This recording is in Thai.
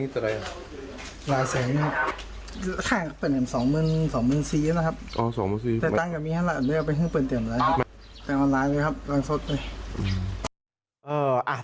แต่ว่าล้างเลยครับล้างสดเลย